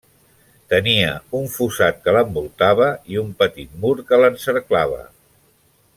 Tenia un fossat que l'envoltava i un petit mur que l'encerclava.